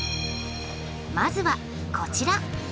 まずはこちら。